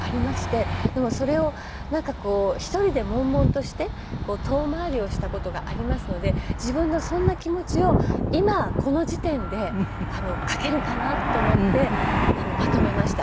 でもそれをなんかこう１人で悶々として遠回りをした事がありますので自分のそんな気持ちを今この時点で書けるかな？と思ってまとめました。